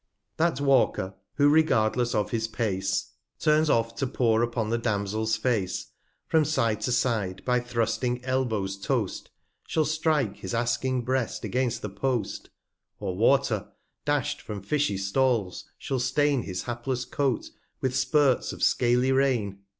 100 That Walker, who regardless of his Pace, TRIVIA 37 oft 5 to pore upon the Damsel's Face, From Side to Side by thrusting Elbows tost, Shall strike his aking Breast against the Post ; Or Water, dash'd from fishy Stalls, shall stain 105 His hapless Coat with Spirts of scaly Rain.